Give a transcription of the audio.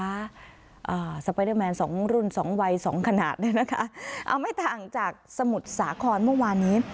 อ่าสไปเดอร์แมนสองรุ่นสองวัยสองขนาดเอาไม่ต่างจากสมุดสาขรมาวานนี้